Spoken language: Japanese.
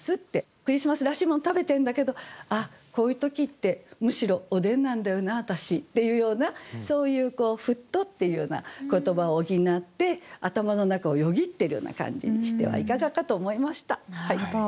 クリスマスらしいもの食べてるんだけど「ああこういう時ってむしろおでんなんだよな私」っていうようなそういう「ふっと」っていうような言葉を補って頭の中をよぎってるような感じにしてはいかがかと思いました。